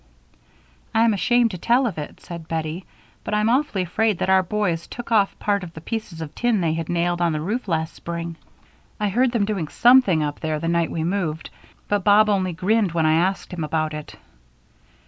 "I'm ashamed to tell of it," said Bettie, "but I'm awfully afraid that our boys took off part of the pieces of tin that they nailed on the roof last spring. I heard them doing something up there the night we moved; but Bob only grinned when I asked him about it."